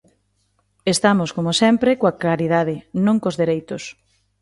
Estamos como sempre coa caridade, non cos dereitos.